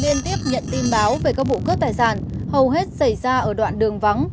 liên tiếp nhận tin báo về các vụ cướp tài sản hầu hết xảy ra ở đoạn đường vắng